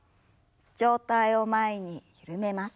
上体を前に緩めます。